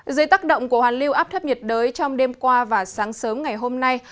dưới tác động của hoàn lưu áp thấp nhiệt đới trong đêm qua và sáng sớm ngày hôm nay